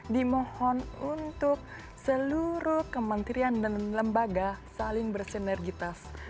dimohon untuk seluruh kementerian dan lembaga saling bersinergitas